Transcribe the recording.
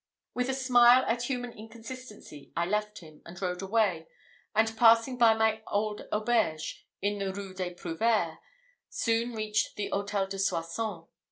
With a smile at human inconsistency, I left him, and rode away; and passing by my old auberge, in the Rue des Prouvaires, soon reached the Hôtel de Soissons.